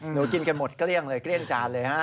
กินกันหมดเกลี้ยงเลยเกลี้ยงจานเลยฮะ